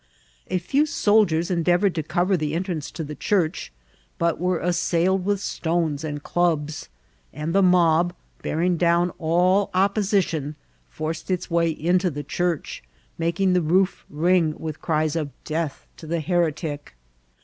A few sol diers endeavoured to cover the entrance to the church, but were assailed with stones and clubs ; and the mob, bearing down all opposition, forced its way into the church, making the roof ring with cries of " Death to the heretic